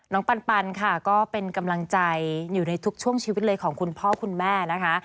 ปันค่ะก็เป็นกำลังใจอยู่ในทุกช่วงชีวิตเลยของคุณพ่อคุณแม่นะคะ